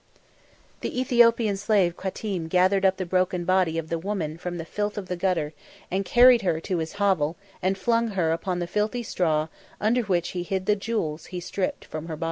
The Ethiopian slave Qatim gathered up the broken body of the woman from the filth of the gutter and carried her to his hovel and flung her upon the filthy straw under which he hid the jewels he stripped from her.